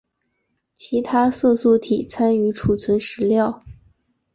其他色素体参与储存食料。